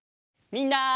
みんな！